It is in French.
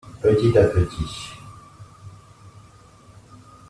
Petit à petit.